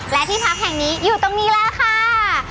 และที่พักแห่งนี้อยู่ตรงนี้แล้วค่ะ